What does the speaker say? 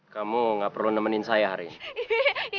kamu gak perlu nemenin saya hari ini